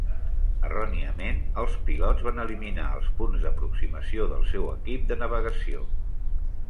Erròniament, els pilots van eliminar els punts d'aproximació del seu equip de navegació.